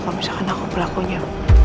kalau misalkan aku pelakunya